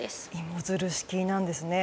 芋づる式なんですね。